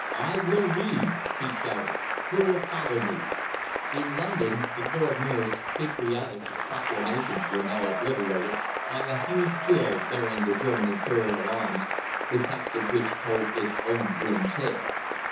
I will lead!" he shouted; "who will follow me?" In London the Lord Mayor's patriotic proclamations were now obliterated by a huge bill bearing the German Imperial arms, the text of which told its own grim tale.